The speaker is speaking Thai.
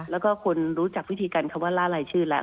แล้วก็คนรู้จักวิธีการคำว่าล่ารายชื่อแล้ว